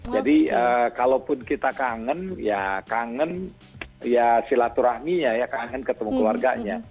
jadi kalaupun kita kangen ya kangen silaturahminya ya kangen ketemu keluarganya